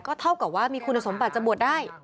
เท่ากับว่ามีคุณสมบัติจะบวชได้